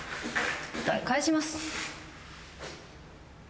返します。